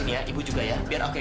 nggak ada dewi